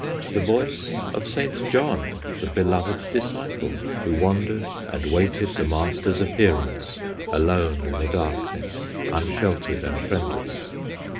The voice of Saint John, The beloved disciple, Who wandered and waited The Master's appearance, Alone in the darkness, Unsheltered and friendless.